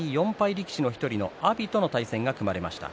力士の１人の阿炎との対戦が組まれました。